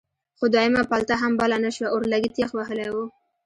خو دویمه پلته هم بله نه شوه اورلګید یخ وهلی و.